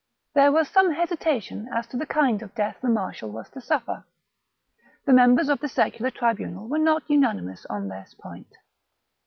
There was some hesitation as to the kind of death the marshal was to suffer. The members of the secular tribunal were not unanimous on this point.